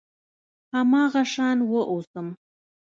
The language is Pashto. هماغه شان واوسم .